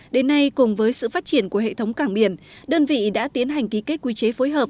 đến nay cùng với sự phát triển của hệ thống cảng biển đơn vị đã tiến hành ký kết quy chế phối hợp